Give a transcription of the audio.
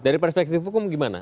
dari perspektif hukum gimana